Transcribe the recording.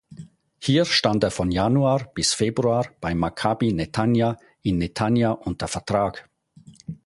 Hier stand er von Januar bis Februar bei Maccabi Netanja in Netanja unter Vertrag.